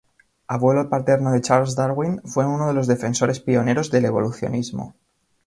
Abuelo paterno de Charles Darwin, fue uno de los defensores pioneros del evolucionismo.